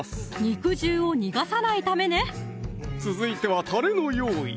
肉汁を逃がさないためね続いてはたれの用意